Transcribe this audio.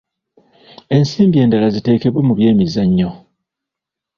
Ensimbi endala ziteekebwe mu by'emizannyo.